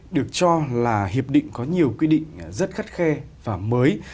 được cho là hiệp định có nhiều quy định rất khắt khe và mới